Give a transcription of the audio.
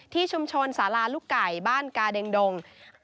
ที่ชุมชนสาราลูกไก่บ้านกาเด็งดง